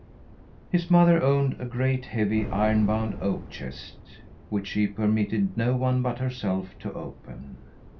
His mother owned a great, heavy, iron bound oak chest, which she permitted no one but herself to open.